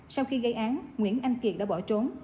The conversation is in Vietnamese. sau khi gây án nguyễn anh kiệt đã bỏ trốn